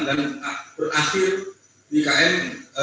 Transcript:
dan berakhir di km lima puluh